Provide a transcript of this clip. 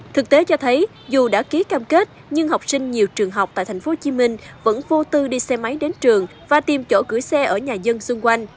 thực tế cho thấy dù đã ký cam kết nhưng học sinh nhiều trường học tại tp hcm vẫn vô tư đi xe máy đến trường và tìm chỗ gửi xe ở nhà dân xung quanh